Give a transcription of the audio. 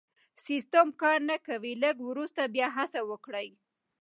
سيسټم کار نه کوي لږ وروسته بیا هڅه وکړئ